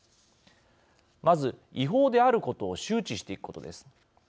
まず、違法であることを周知していくことです。